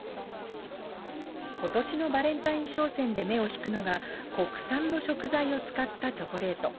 ことしのバレンタイン商戦で目を引くのが、国産の食材を使ったチョコレート。